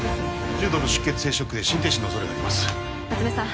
重度の出血性ショックで心停止の恐れがあります夏梅さん